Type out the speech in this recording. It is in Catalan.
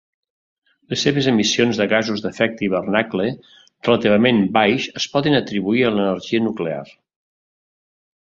Les seves emissions de gasos d'efecte hivernacle relativament baix es poden atribuir a l'energia nuclear.